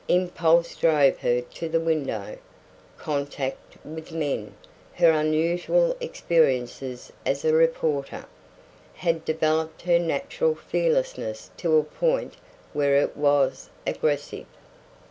Impulse drove her to the window. Contact with men her unusual experiences as a reporter had developed her natural fearlessness to a point where it was aggressive.